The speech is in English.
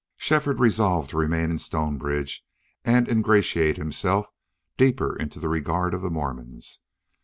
Shefford resolved to remain in Stonebridge and ingratiate himself deeper into the regard of the Mormons.